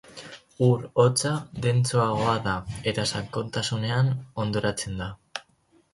Ur hotza dentsoagoa da eta sakontasunean hondoratzen da.